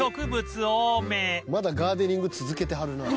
まだガーデニング続けてはるな。